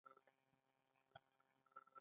آیا چې ګړندی روان نه دی؟